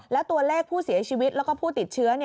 แล้วตัวเลขผู้เสียชีวิตแล้วก็ผู้ติดเชื้อ